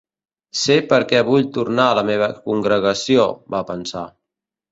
Sé per què vull tornar a la meva congregació, va pensar.